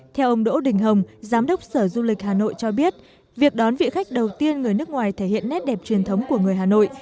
theo ông đỗ đình hồng giám đốc sở du lịch hà nội cho biết việc đón vị khách đầu tiên người nước ngoài thể hiện nét đẹp truyền thống của người hà nội